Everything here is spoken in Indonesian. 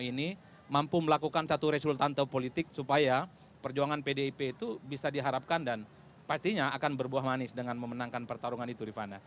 ini mampu melakukan satu resultanto politik supaya perjuangan pdip itu bisa diharapkan dan pastinya akan berbuah manis dengan memenangkan pertarungan itu rifana